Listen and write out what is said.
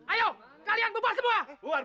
ayo kalian bubar semua